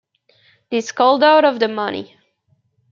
This called out of the money.